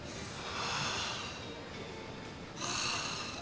はあ。